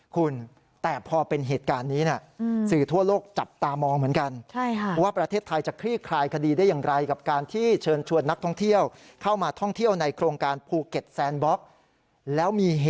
คุณแต่พอเป็นเหตุการณ์นี้นะ